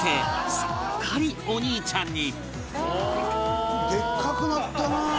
すっかりお兄ちゃんに